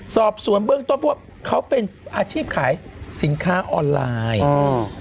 สอบสวนเบื้องต้นเพราะว่าเขาเป็นอาชีพขายสินค้าออนไลน์อืม